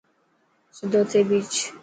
سڌو ٿي ڀيچ.